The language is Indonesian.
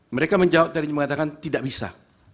mereka menjawab tadi mengatakan tidak bisa